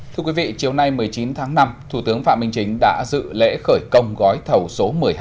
thưa quý vị chiều nay một mươi chín tháng năm thủ tướng phạm minh chính đã dự lễ khởi công gói thầu số một mươi hai